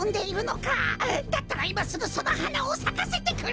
だったらいますぐそのはなをさかせてくれ！